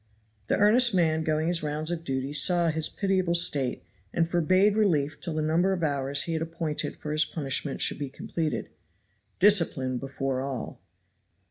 The earnest man going his rounds of duty saw his pitiable state and forbade relief till the number of hours he had appointed for his punishment should be completed. Discipline before all!